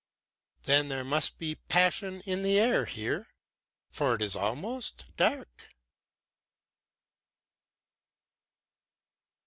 "Then there must be passion in the air here, for it is almost dark."